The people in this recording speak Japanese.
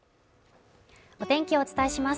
お天気をお伝えします。